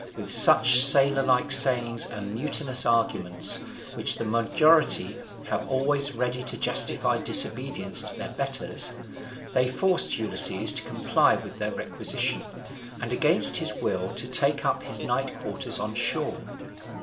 With such sailor like sayings and mutinous arguments, which the majority have always ready to justify disobedience to their betters, they forced Ulysses to comply with their requisition, and against his will to take up his night quarters on shore.